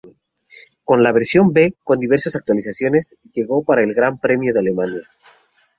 La versión B, con diversas actualizaciones, llegó para el Gran Premio de Alemania.